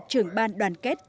trưởng ban đoàn kết tập trung